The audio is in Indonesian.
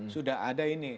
sudah ada ini